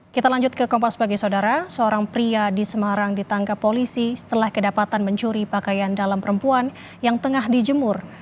kita lanjut ke kompas bagi saudara seorang pria di semarang ditangkap polisi setelah kedapatan mencuri pakaian dalam perempuan yang tengah dijemur